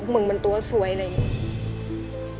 มึงมันตัวสวยอะไรอย่างนี้